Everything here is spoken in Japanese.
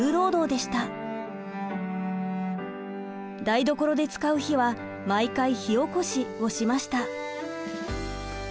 台所で使う火は毎回火おこしをしました。